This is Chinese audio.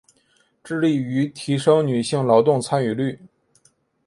致力於提升女性劳动参与率